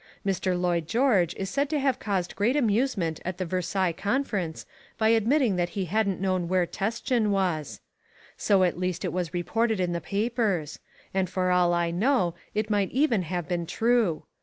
Mr. Lloyd George is said to have caused great amusement at the Versailles Conference by admitting that he hadn't known where Teschen was. So at least it was reported in the papers; and for all I know it might even have been true.